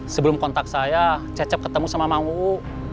sebelum kontak saya cecep ketemu sama mang uu